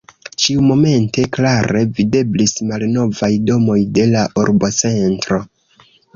Ĉiumomente klare videblis malnovaj domoj de la urbocentro.